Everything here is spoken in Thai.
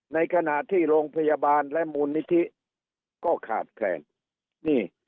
ในขณะที่โรงพยาบาลและมูลนิธิก็ขาดแคลนนี่